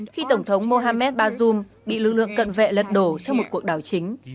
khi tổng thống mohamed bazoum bị lực lượng cận vệ lật đổ trong một cuộc đảo chính